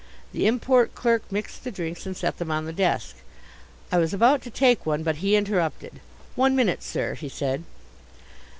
The Import Clerk mixed the drinks and set them on the desk. I was about to take one, but he interrupted. "One minute, sir," he said.